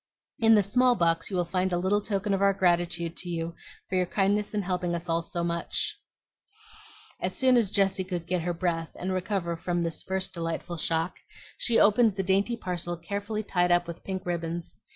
In the small box you will find a little token of our gratitude to you for your kindness in helping us all so much. Yours ever, FAN. As soon as Jessie could get her breath and recover from this first delightful shock, she opened the dainty parcel carefully tied up with pink ribbons.